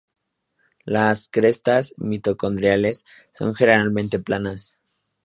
Las crestas mitocondriales son generalmente planas.